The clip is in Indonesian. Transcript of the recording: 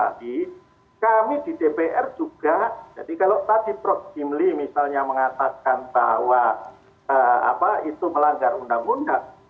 nah kalau kita tarik kembali kami di dpr juga jadi kalau tadi prof jimli misalnya mengatakan bahwa itu melanggar undang undang